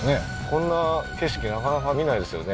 こんな景色なかなか見ないですよね